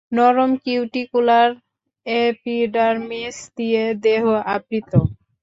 নরম cuticular epidermis দিয়ে দেহ আবৃত।